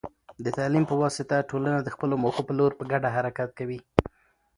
د تعلیم په واسطه، ټولنه د خپلو موخو په لور په ګډه حرکت کوي.